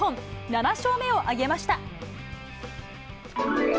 ７勝目を挙げました。